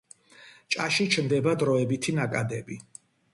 ჭაში ჩნდება დროებითი ნაკადები.